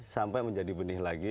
sampai menjadi benih lagi